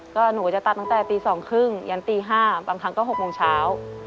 ก็หนูจะตัดตั้งแต่ตี๒๓๐ยันตี๕บางครั้งก็๖โมงเช้า